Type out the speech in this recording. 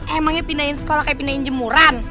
emangnya pindahin sekolah kayak pindahin jemuran